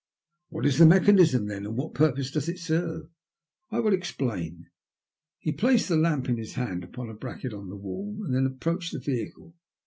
" What is the mechanism, then, and what purpose does it serve ?"" I will explain." He placed the lamp he held in his hand upon a bracket on the wall, and then approached the vehicle.